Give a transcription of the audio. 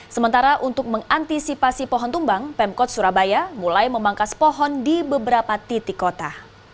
sementara untuk mengantisipasi pohon tumbang pemkot surabaya mulai memangkas pohon di beberapa titik kota